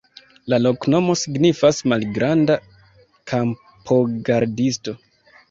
La loknomo signifas: malgranda-kampogardisto.